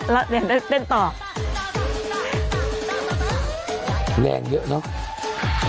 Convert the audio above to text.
แล้วก็เหนื่อยแล้วเดินต่อ